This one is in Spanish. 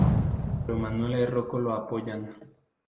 Pero Manuela y Rocco lo apoyan.